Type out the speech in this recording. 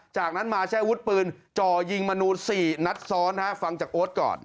จากนั้นมาใช้อาวุธปืนจ่อยิงมนู๔นัดซ้อนฟังจากโอ๊ตก่อน